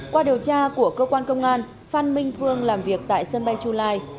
qua điều tra của cơ quan công an phan minh phương làm việc tại sân bay chulai